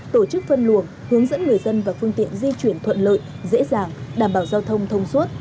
tổ chức phân luồng hướng dẫn người dân và phương tiện di chuyển thuận lợi dễ dàng đảm bảo giao thông thông suốt